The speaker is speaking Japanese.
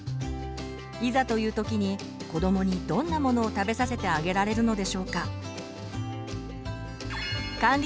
いざという時に子どもにどんなものを食べさせてあげられるのでしょうか？